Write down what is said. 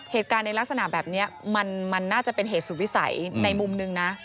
เหตุการณ์ในลักษณะแบบนี้มันน่าจะเป็นเหตุสุดวิสัยในมุมนึงนะ